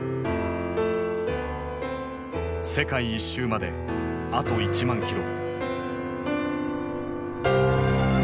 世界一周まであと１万キロ。